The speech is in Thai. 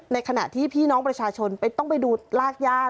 ในขณะที่พี่น้องประชาชนต้องไปดูรากย่า